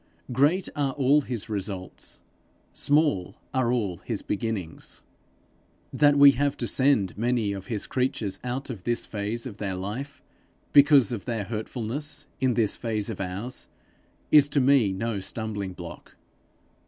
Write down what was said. Great are all his results; small are all his beginnings. That we have to send many of his creatures out of this phase of their life because of their hurtfulness in this phase of ours, is to me no stumbling block.